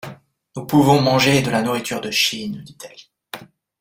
Nous pouvons manger de la nourriture de Chine ou d’Italie.